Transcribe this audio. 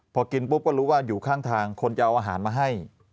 พอกินปุ๊บก็รู้ว่าอยู่ข้างทางคนจะเอาอาหารมาให้